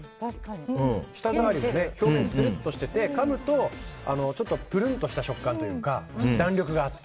舌触りも表面つるっとしててかむとプルンとした食感というか弾力があって。